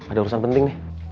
ada urusan penting nih